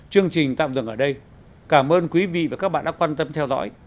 chương trình tạm dừng ở đây cảm ơn quý vị và các bạn đã quan tâm theo dõi